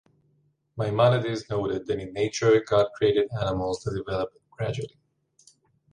Maimonides noted that in nature, God created animals that develop gradually.